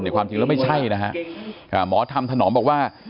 ในความจริงแล้วไม่ใช่นะครับหมอทำถนอมบอกว่า